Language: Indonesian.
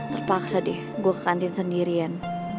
terpaksa deh gue ke kantin sendirian